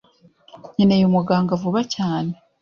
nkeneye umuganga vuba cyane